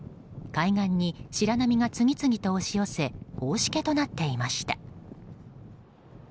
海岸に白波が次々と押し寄せ大しけとなっていました。